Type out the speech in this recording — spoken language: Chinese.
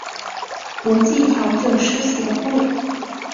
国际调酒师协会